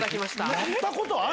やったことある？